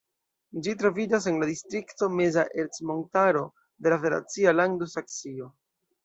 Ĝi troviĝas en la distrikto Meza Ercmontaro de la federacia lando Saksio.